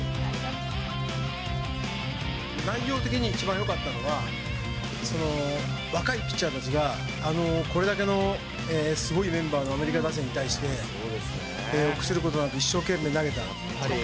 内容的に一番よかったのが、若いピッチャーたちが、これだけのすごいメンバーのアメリカ打線に対して臆することなく、一生懸命投げた。